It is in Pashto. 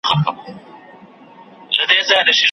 دا هغه بېړۍ ډوبیږي چي مي نکل وو لیکلی